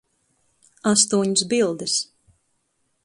Astoņas bildes.